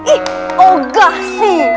ih oh gasi